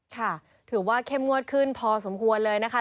ค่ะถือว่าเข้มงวดขึ้นพอสมควรเลยนะคะ